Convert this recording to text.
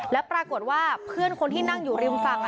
แล้วปรากฏว่าเพื่อนคนที่นั่งอยู่ริมฝั่ง